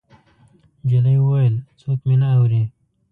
نجلۍ وويل: څوک مې نه اوري.